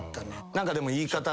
何かでも。